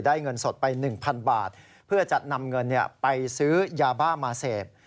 ได้เงินสดไปหนึ่งพันบาทเพื่อจะนำเงินเนี้ยไปซื้อยาบ้ามาเสพ